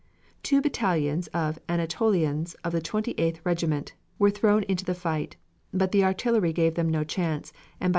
Two battalions of Anatolians of the Twenty eighth regiment were thrown into the fight, but the artillery gave them no chance, and by 3.